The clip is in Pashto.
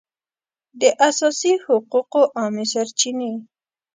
د اساسي حقوقو عامې سرچینې